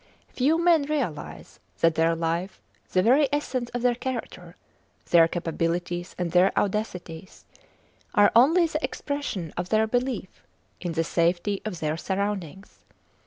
Few men realize that their life, the very essence of their character, their capabilities and their audacities, are only the expression of their belief in the safety of their surroundings.